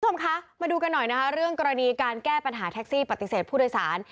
คุณผู้ชมคะมาดูกันหน่อยนะคะเรื่องกรณีการแก้ปัญหาแท็กซี่ปฏิเสธผู้โดยสาร